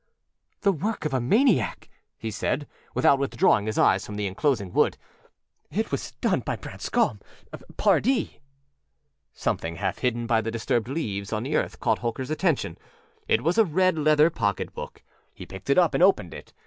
âThe work of a maniac,â he said, without withdrawing his eyes from the inclosing wood. âIt was done by BranscomâPardee.â Something half hidden by the disturbed leaves on the earth caught Holkerâs attention. It was a red leather pocketbook. He picked it up and opened it.